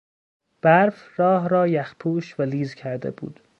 برف راه را یخپوش و لیز کرده بود.